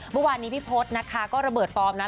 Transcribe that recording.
วันวานนี้พี่พฤษฎ์นะคะก็ระเบิดฟอร์มนะ